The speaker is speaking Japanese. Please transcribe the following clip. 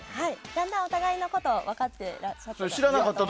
だんだんお互いのことを分かっていらっしゃって。